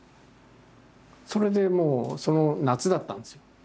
それでもう夏だったんですよ。